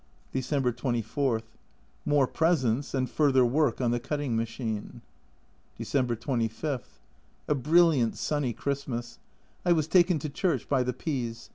December 24. More presents, and further work on the cutting machine. December 25. A brilliant sunny Christmas. I was taken to church by the P s.